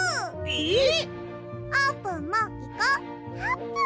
えっ！